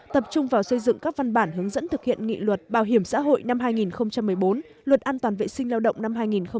tập trung vào xây dựng các văn bản hướng dẫn thực hiện nghị luật bảo hiểm xã hội năm hai nghìn một mươi bốn luật an toàn vệ sinh lao động năm hai nghìn một mươi